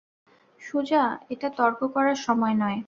সুজা, এটা তর্ক করার সময় নয়।